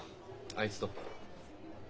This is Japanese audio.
あいつと。